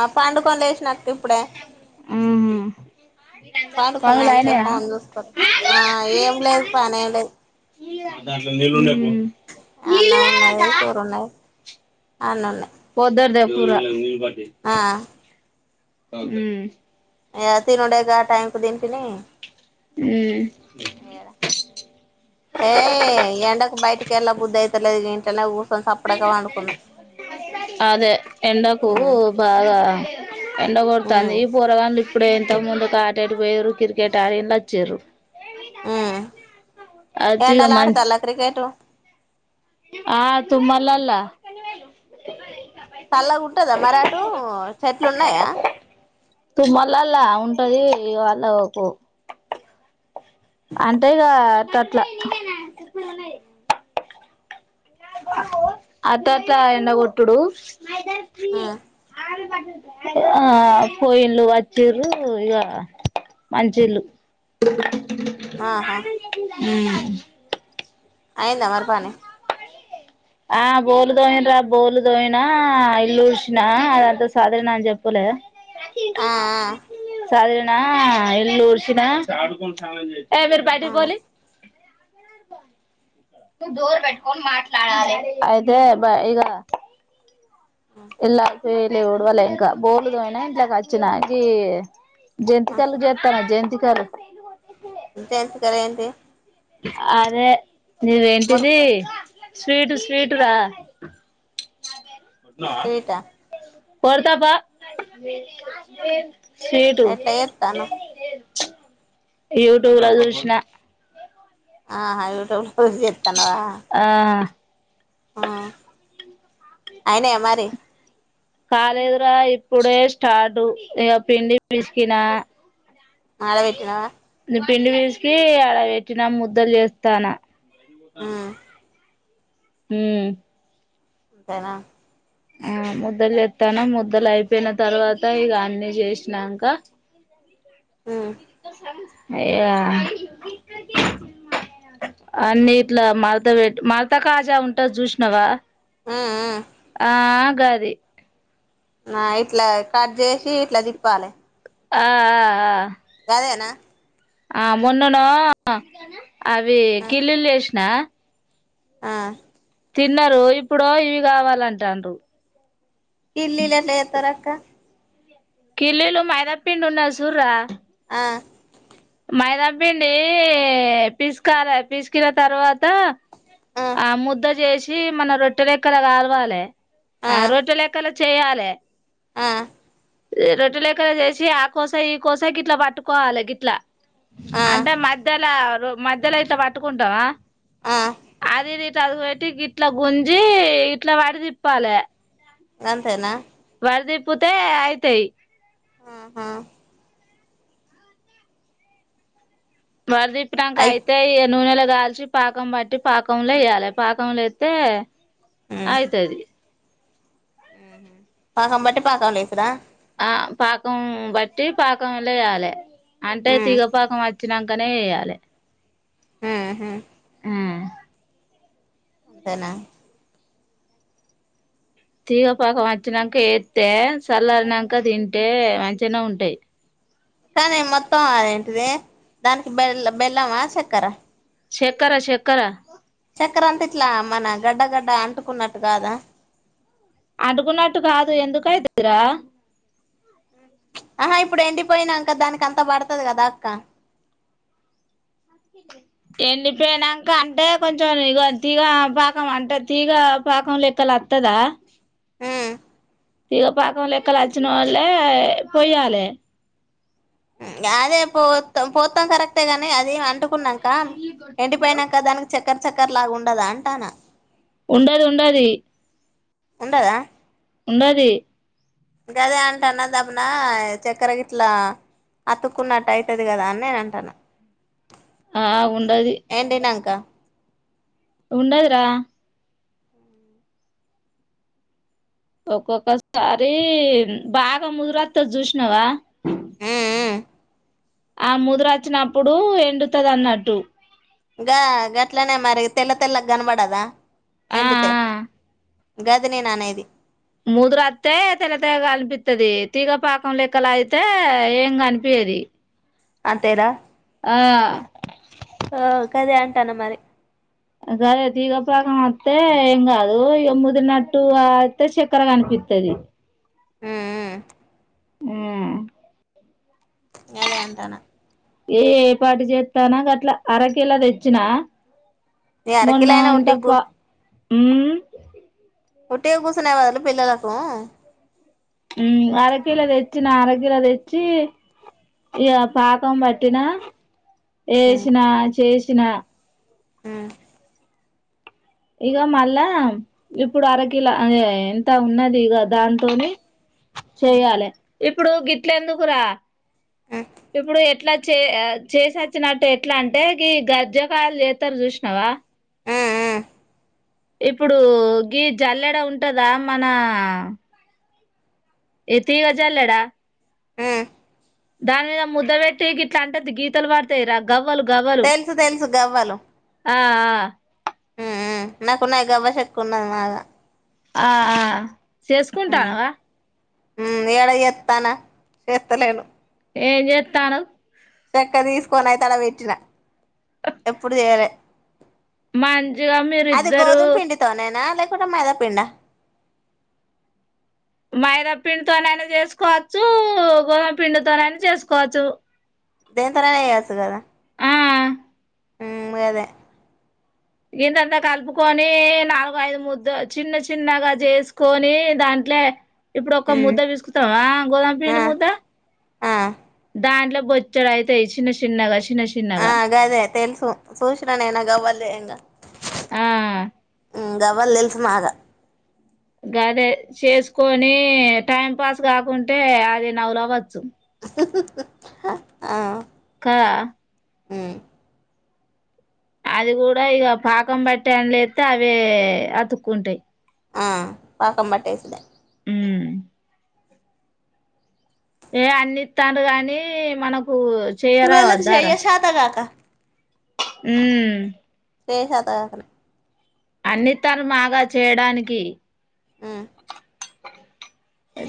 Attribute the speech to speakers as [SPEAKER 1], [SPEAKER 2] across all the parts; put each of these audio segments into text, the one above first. [SPEAKER 1] ఆ పాండుగం వసినకు ఇప్పుడే
[SPEAKER 2] ఉహు
[SPEAKER 1] పాడుకున్న
[SPEAKER 2] పనులు
[SPEAKER 1] అందుకే
[SPEAKER 2] అయినయా
[SPEAKER 1] ఫోన్ చూసుకోని ఆ ఏం లేదు పనిం లేదు
[SPEAKER 2] దాంట్లో నీళ్ళు
[SPEAKER 1] అన్నం ఉన్నాది కూరు ఉన్నాది అననే
[SPEAKER 2] పొదరదేవ పురా
[SPEAKER 1] ఆ
[SPEAKER 2] హు
[SPEAKER 1] ఏ తినుడే గా టైంకు తిన తిని
[SPEAKER 2] ఉమ్
[SPEAKER 1] ఏ ఎండకు బయటకి ఎల్లా బుద్ధి సరే లే ఇంట్లోనే పో
[SPEAKER 2] అదే ఎండకు
[SPEAKER 1] ఉమ్
[SPEAKER 2] బాగా [unintelligible] ఎండగొడుతుంది
[SPEAKER 1] ఉమ్
[SPEAKER 2] ఈ పూరగాలు ఇప్పుడ ఎంతో ముందుకు ఆటాడిపోయారు క్రికెట్ ఆడి వచ్చారు
[SPEAKER 1] ఉ
[SPEAKER 2] వచ్చి ఇగ
[SPEAKER 1] ఎండల
[SPEAKER 2] మంచి
[SPEAKER 1] ఆడతాలా క్రికెట్
[SPEAKER 2] ఆ తుమ్మలల
[SPEAKER 1] చల్లగా ఉంటందా మరాటు చెట్లు ఉన్నాయా
[SPEAKER 2] తుమళ్ల అలా ఉంటది వాళ అంటే ఆట్టట్లా అట అట్లా ఎన్న ఒట్డు మా ఇద్దరికీ
[SPEAKER 1] ఉమ్
[SPEAKER 2] ఆమె పా ఆ పొయిలు వచ్చీరు ఇక మంచిళ్ళు
[SPEAKER 1] ఆహా
[SPEAKER 2] ఉమ్
[SPEAKER 1] అయిందా మరిపానీ
[SPEAKER 2] ఆ బోలు తోయిన రా బోలు తోయినా ఇల్లు చడ్సినా అదంతా సాధణ అని చెప్పలే
[SPEAKER 1] ఆ
[SPEAKER 2] [unintelligible] సర్దిన ఇల్లూర్సిన ఏ మీరు
[SPEAKER 1] ఆ
[SPEAKER 2] బయటికి బోలి డోర్ పెట్కోనీ మాట్లాడాలి అయితే బా ఇగ ఎలా వయలే ఉడవలే ఇంకా బోలుద అయినా ఇంట్లాకి వచ్చినాక జంటి
[SPEAKER 1] ఆ
[SPEAKER 2] కలు జేతన జం కారు
[SPEAKER 1] ఇంట ఎంత కరంటి
[SPEAKER 2] అదే
[SPEAKER 1] మరి
[SPEAKER 2] నీవేంటిది స్వీటు స్వీటు రా
[SPEAKER 1] స్వీట్
[SPEAKER 2] కొడ్తా ప
[SPEAKER 1] ఎట్లా ఎ తాను
[SPEAKER 2] యూట్యూబ్ లోచుసిన
[SPEAKER 1] ఆయి యూట్యూబ్ పల్సుచేస్తానవ
[SPEAKER 2] ఆ
[SPEAKER 1] ఆ అయిన మరి
[SPEAKER 2] కాలేజీ రా ఇప్పుడే స్టార్ట్ ఇక పిండి పిసికినా
[SPEAKER 1] మాల పెట్టినవా వా
[SPEAKER 2] పిండి పిసికి అడ పెట్టినా ముద్దలు చేస్తాన
[SPEAKER 1] ఉమ్
[SPEAKER 2] ఊ
[SPEAKER 1] తేనా
[SPEAKER 2] ఆ ముద్దలు చేత్తాన్న ముద్దలు అయిపోయిన తర్వాత ఇగ అన్ని జేష్నాక
[SPEAKER 1] ఉమ్
[SPEAKER 2] [inaudible] అయ్యా అన్ని ఇట్ల మడత పెట్టి మడత కాజా ఉంటది చూసినావా
[SPEAKER 1] ఉమ్ ఉమ్
[SPEAKER 2] ఆ ఉగాది
[SPEAKER 1] నా ఇట్లా కట్ జేసి ఇట్లా తిప్పాలే
[SPEAKER 2] ఆ ఆ ఆ
[SPEAKER 1] గదేనా
[SPEAKER 2] ఆ మొన్ననో అవి
[SPEAKER 1] ఆ
[SPEAKER 2] కిల్లిల్లు జేసిన
[SPEAKER 1] ఆ
[SPEAKER 2] తిన్నరు ఇప్పుడు ఇవి కావాలంటుండ్రు
[SPEAKER 1] కిల్లీలెట్ల జేత్తరక్క
[SPEAKER 2] కిల్లీలు మైదాపిండున్నది సూర్రా
[SPEAKER 1] ఆ
[SPEAKER 2] మైద పిండి పిసకాలె పిసికిన తర్వాత ఆ ముద్ద జేషి ఇ మన రొట్టె లెక్కల కాలవాలె ఆ రొట్టెలె క్కాల చేయాలే
[SPEAKER 1] ఆ
[SPEAKER 2] రొట్టిలెక్కనే జేసి ఆ కోస ఈ కోసా గిట్ల పట్టుకోవాలె గిట్ ఇట్లా
[SPEAKER 1] ఆ
[SPEAKER 2] అంటే మధ్యలో ర మధ్యలో అయితే పట్టుకుంటావా
[SPEAKER 1] ఆ
[SPEAKER 2] ఇట్లా అది పెట్టి ఇట్లా గుంజి ఇట్లా వాడి తిప్పాలి
[SPEAKER 1] అంతేనా
[SPEAKER 2] అరిది పోతే అయితాయి
[SPEAKER 1] ఆ హా
[SPEAKER 2] వరదీప్పినాంక
[SPEAKER 1] అయి
[SPEAKER 2] అయితేయి నూనెల గాల్చి పాకం బట్టి పాకంలో యెయ్యాలి పాకంలో యే త్తే
[SPEAKER 1] ఉమ్
[SPEAKER 2] ఆయితది
[SPEAKER 1] పాకం పాట్టి పాకంలేస్తురా
[SPEAKER 2] ఆ పాకం బట్టి పాకంలేయాలి అంటే
[SPEAKER 1] ఉమ్
[SPEAKER 2] తీగపాకం అచ్చినాంకనే ఎయ్యాలి
[SPEAKER 1] ఊహు
[SPEAKER 2] మ్
[SPEAKER 1] అంతేనా
[SPEAKER 2] తీగపాకం వచ్చినాంక ఎత్తే చల్లారనాంక తింటే మంచిగానే ఉంటాయి
[SPEAKER 1] కానీ మొత్తం ఏంటిది దానికి బెల్ బెల్లమా చక్కరా
[SPEAKER 2] చక్కరా శక్కరా
[SPEAKER 1] చక్కర అంతా ఇట్లా మన గడ్డ గడ్డ అంటుకున్నట్టు గాదా
[SPEAKER 2] అంటుకున్నట్టు కాదు ఎందుకయితదిరా
[SPEAKER 1] ఆహా ఇప్పుడు ఎండిపోయినాక దానికి అంతా పడుతాది కదా అక్క
[SPEAKER 2] ఎండిపోయినాంక అంటే కొంచెం ఇగ తీగ పాకం అంటే తీగ పాకం లెక్కలు వత్తదా
[SPEAKER 1] ఊ
[SPEAKER 2] తీగపాకం లెక్కలోచ్చిన వాల్లే పోయ్యాలి
[SPEAKER 1] అదే పోాత పోతాం కరెక్టేగానీ అది అంట కున్నాంక ఎండిపోయినాక దానికి చ చక్కర్ చక్కర్ లాగా ఉండదా అంటానా
[SPEAKER 2] ఉండది ఉండది
[SPEAKER 1] ఉండదా
[SPEAKER 2] ఉండది
[SPEAKER 1] గదే అంటాన్నా దబన చక్కెరకి ఇట్లా అతుక్కున్నట్టు అయితది కదా అని నేను అంటాన్న
[SPEAKER 2] ఆ ఉండది ఉండదు రా ఒక్కొక్కసారి బాగా ముదురొత్తది చూసినావా
[SPEAKER 1] ఉ
[SPEAKER 2] ఆ ముదురు అచ్చినప్పుడు ఎండుతది అన్నట్టు
[SPEAKER 1] గా గట్లనే మరి తెల్ల తెల్లగా గనపడదా
[SPEAKER 2] ఆ
[SPEAKER 1] ఎండుతే
[SPEAKER 2] ఆ
[SPEAKER 1] గది నేననేది
[SPEAKER 2] ముదురత్తే తెల్లతెల్లగ అనిపిత్తది తీగ పాకం లెక్కల అయితే ఏం కనిపియది
[SPEAKER 1] అంతేనా
[SPEAKER 2] ఆ
[SPEAKER 1] ఆ కదే అన్ తను మరి
[SPEAKER 2] గదే తీగ పాకం అత్తే ఏం గాదు ఇగ ముదిరినట్టు అత్తె చెక్కర కనిపిత్తది
[SPEAKER 1] ఉ ఉ
[SPEAKER 2] మ్
[SPEAKER 1] గదే అంటానా
[SPEAKER 2] ఏ ఏ పాటు చేత్తానా గట్లా అరకిలో దెచ్చినా
[SPEAKER 1] ఈ
[SPEAKER 2] మొన్న
[SPEAKER 1] అరకిలైనా
[SPEAKER 2] ఎంతప
[SPEAKER 1] ఉట్టిగు
[SPEAKER 2] మ్
[SPEAKER 1] ఉట్టిగా కూసునే బదులు పిల్లలకు
[SPEAKER 2] ఉమ్ అరకిలో తెచ్చిన అరకిలో తెచ్చి ఇగ పాకం బట్టినా ఏష్ నా చేస్ తిన
[SPEAKER 1] మ్
[SPEAKER 2] ఇగ మళ్ళా ఇప్పుడు అరకిలా అదే ఎంత ఉన్నది ఇగ దాంతోని
[SPEAKER 1] ఉమ్
[SPEAKER 2] చెయ్యలే ఇప్పుడు గిట్లెందుకురా
[SPEAKER 1] ఉమ్
[SPEAKER 2] ఇప్పుడు ఎట్లా చే చేసచ్చినట్టు ఎట్లా అంటే గీ గర్జకాయలు చేత్తరు చూసినావా
[SPEAKER 1] ఉ ఉ
[SPEAKER 2] ఇప్పుడు గీ జల్లెడ ఉంటదా మన ఎ తీగ జల్లడా
[SPEAKER 1] హూ
[SPEAKER 2] దాని మీద ముద్ద పెట్టి గిట్ల అంటే తీ గీతలు పడతాయి రా గావ్
[SPEAKER 1] తెలుసు తెలుసు గవ్వలు
[SPEAKER 2] ఆ
[SPEAKER 1] ఉ ఉ నాకు నా గవ్వ చెక్కున్నది మాగా
[SPEAKER 2] ఆ ఆ చేసుకుంటానవా
[SPEAKER 1] ఉ ఏడ చేత్తానా చేస్తలేను
[SPEAKER 2] ఏమ్ జేత్తనవ్
[SPEAKER 1] చెక్క తీసుకోనయితే ఆడబెట్టిన ఎప్పుడు చేయలే
[SPEAKER 2] మంచిగా మీరిద్దరు
[SPEAKER 1] [unintelligible] మైదాపిండా
[SPEAKER 2] మైదా పిండితోనైనా చేసుకోవచ్చు గోధుమ పిండితోననా చేసుకోవచ్చు
[SPEAKER 1] దేనితోనైనా చేయొచ్చు కదా
[SPEAKER 2] ఆ
[SPEAKER 1] ఉ గాదె
[SPEAKER 2] ఇంతంతా కలుపుకొని నాలుగు ఐదు ముదు చిన్న చిన్నగా చేసుకొని దాంట్లే ఇప్పుడు ఒక
[SPEAKER 1] ఉమ్
[SPEAKER 2] ముద్ద పిసుకుతావా గోదామ
[SPEAKER 1] ఆ
[SPEAKER 2] పిండి ముద్ద
[SPEAKER 1] ఆ
[SPEAKER 2] దాంట్లో బొచ్చుడు అయితయ్ సిన్న సిన్నగా
[SPEAKER 1] ఆ గదే తెలుసు చూసిన నిన్న గవ్వల్ [inaudible]
[SPEAKER 2] ఆ
[SPEAKER 1] హ్మ్ గవళ్లు తెల్సు మాగ
[SPEAKER 2] గదె చేసుకొని టైం పాస్ కాకుంటే అది నవ నవొచ్చు
[SPEAKER 1] ఆ
[SPEAKER 2] క
[SPEAKER 1] హ్మ్
[SPEAKER 2] అది కూడా ఇక పాకం బట్టి అల్లా ఏతే అవి అతుక్కుంటాయి
[SPEAKER 1] ఆ పాక పాట్టేసుద
[SPEAKER 2] ఉ ఏ అన్నిస్తారు కానీ మనకు
[SPEAKER 1] వల చేయ్యషాత కాకా
[SPEAKER 2] హ్మ్
[SPEAKER 1] చేయ శాతకాకనే
[SPEAKER 2] అన్ని ఇతళ్లు మాగ చేయడానికి
[SPEAKER 1] హ్మ్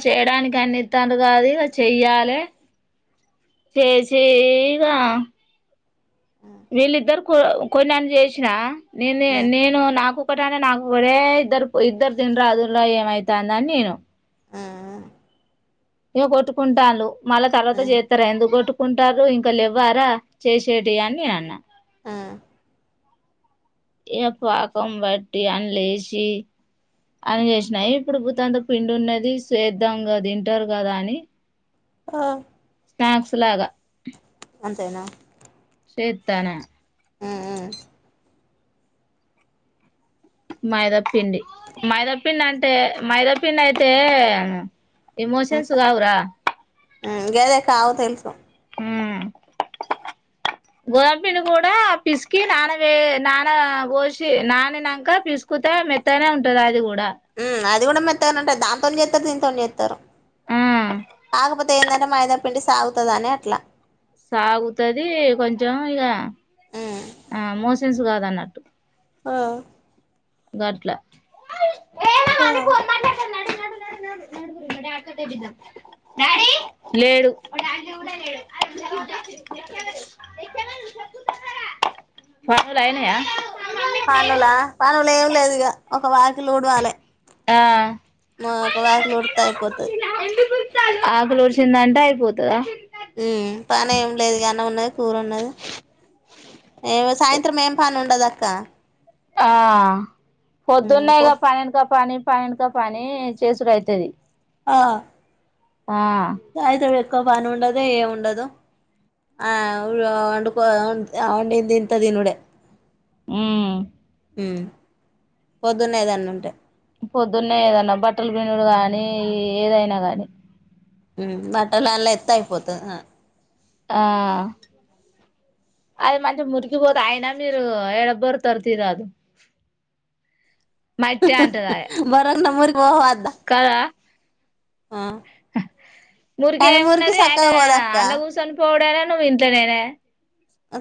[SPEAKER 2] చేయడానికి అన్ని ఇతారు కాని ఇక చెయ్యాలె చేసి ఇక వీళ్ళిద్దరు కొ కొన్నని చేసినా నేనే
[SPEAKER 1] ఉమ్
[SPEAKER 2] నేను నాకు ప్పటనే నాకురే ఇద్దరు ఇద్దరు తినరాదుల్లా ఏమైతాందని నేను
[SPEAKER 1] ఉమ్
[SPEAKER 2] ఏ కొట్టుకుంటాన్లు మల్ల తర్వాత
[SPEAKER 1] ఉమ్
[SPEAKER 2] చేత్తరే ఎందుకొట్ కుంటారు ఇంక లేవ్వరా చేసేటియి అని నేన్ అన్నా
[SPEAKER 1] ఆ
[SPEAKER 2] ఏ పాకం బట్టి అని లేసి అని చేసినాయి, ఇప్పుడు బుత్తంత పిండి ఉన్నది చేద్దం కది తింటరు కదా అని,
[SPEAKER 1] ఆ
[SPEAKER 2] స్నాక్స్ లాగా
[SPEAKER 1] అంతేనా
[SPEAKER 2] శేత్తనా
[SPEAKER 1] ఆ ఆ
[SPEAKER 2] మైదా ప్ పిండి మైదా పిండి అం తే మైదా పిండి ఐతే ఎమోషన్స్ కావురా
[SPEAKER 1] మ్మ్ గదేకావు తెలుసు
[SPEAKER 2] మ్మ్ హ్మ్ గోదంపిండిని కూడా పిసికి నాన వే నాన వోసి నాని నాంక పిసుకుతే మెత్తనే ఉంటది అది కూ డ
[SPEAKER 1] ది కూనా మెత్తగానే ఉంటది దాంతోను జేత్తారు దింతోను జేత్తరు కాకపోతే ఎందంటే మైదాప్ పిండి సాగుతాది అని అట్లా
[SPEAKER 2] సాగుతది కొంచెం ఇగ
[SPEAKER 1] ఉమ్
[SPEAKER 2] ఆ మోస్ చిజ్ కాదన్నట్టు
[SPEAKER 1] ఆ
[SPEAKER 2] గట్లా
[SPEAKER 1] ఆ
[SPEAKER 2] పనులు అయినయా,
[SPEAKER 1] పనుల పనులు ఏం లేదు ఇక ఒక వాకిలుూడవాలె
[SPEAKER 2] ఆ
[SPEAKER 1] ఆ ఒక వాకిలి ఊడిత్తే అయిపోతది
[SPEAKER 2] ఆకులీ ఊడ్చిందటే అయిపోతదా
[SPEAKER 1] మ్మ్ పనీ ఏం లేదు ఇగ ఉన్నది కూర ఉన్నది ఏమో సాయం తిరమేం పని ఉండదక్క
[SPEAKER 2] ఆ పొద్దున్నే
[SPEAKER 1] పో
[SPEAKER 2] ఇగ పనంతా పని పని వెనక పని చేసుడు అయితది
[SPEAKER 1] ఆ
[SPEAKER 2] ఆ
[SPEAKER 1] ఒక్క పని ఉండదు ఏముండదు ఆవ్ వండుకో అవ్ వండింది ఇంత తినుడే
[SPEAKER 2] హ్మ్
[SPEAKER 1] హ్మ్ పొద్దున్నేదన్న ఉంటే
[SPEAKER 2] పొద్దున్నే ఏదన్నా బట్టలు పిండుడు గాని ఏదైనా గాని
[SPEAKER 1] హ్మ్ బట్టలాల్ల ఎస్తే అయిపోతది హా
[SPEAKER 2] ఆ అది మంచి మురుకిపోదూ అయనా మీరు ఎడ బొర్తరు తియరాదు
[SPEAKER 1] హహహహః బరన్న మురికిపోహ అద్ద కానీ మురికి
[SPEAKER 2] మురికేమున్నది
[SPEAKER 1] సక్కగా
[SPEAKER 2] ఆయనే
[SPEAKER 1] పోదక్క
[SPEAKER 2] అల్ల కూర్చొని పోవడేనా నువ్వింట్లనేనాయే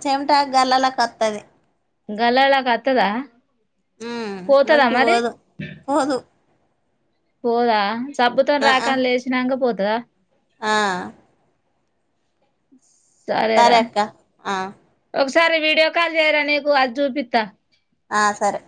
[SPEAKER 1] చెమిటా గల్లలా కత్తది
[SPEAKER 2] గల్లలా కత్తదా
[SPEAKER 1] ఉమ్
[SPEAKER 2] పోతదా
[SPEAKER 1] మురికి
[SPEAKER 2] మరి
[SPEAKER 1] పోదు పోదు
[SPEAKER 2] పోదా సబ్బుతోని
[SPEAKER 1] ఆ
[SPEAKER 2] రాకి అల్లేచినాక పో దా
[SPEAKER 1] ఆ సరే అక్క ఆ
[SPEAKER 2] సరే వీడియో కాల్ చేయరా నీకు అది చూపిత్త
[SPEAKER 1] ఆ సరే